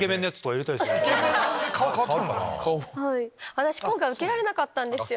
私今回受けられなかったんですよ。